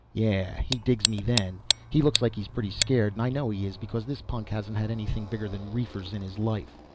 Yeah, he digs me then. He looks like he's pretty scared and I know he is, because this punk hasn't had anything bigger than reefers in his life.